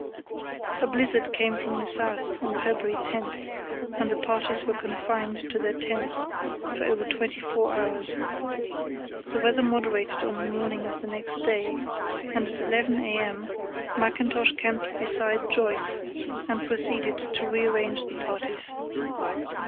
A blizzard came from the south on February 10 and the parties were confined to their tents for over twenty four hours. The weather moderated on the morning of the next day, and at 11 a.m. Mackintosh camped beside Joyce and proceeded to rearrange the parties.